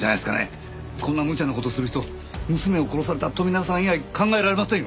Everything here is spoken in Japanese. こんなむちゃな事する人娘を殺された富永さん以外考えられませんよ。